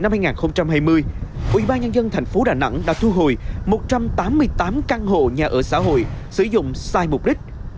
quỹ ba năm hai nghìn hai mươi quỹ ba nhân dân thành phố đà nẵng đã thu hồi một trăm tám mươi tám căn hộ nhà ở xã hội sử dụng sai mục đích